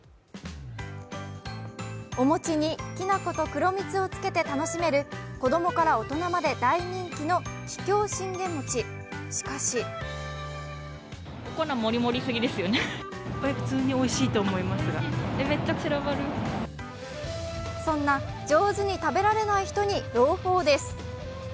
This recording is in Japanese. お餅にきな粉と黒蜜をつけて楽しめる子供から大人まで大人気の桔梗信玄餅、しかしそんな上手に食べられない人に朗報です。